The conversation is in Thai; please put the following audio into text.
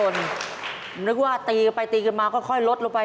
นึกว่าตีกลับมาก็ค่อยลดลงไป